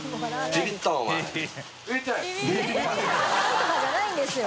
びびったとかじゃないんですよ。